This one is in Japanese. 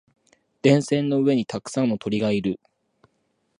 電線の上にたくさんの鳥がいる。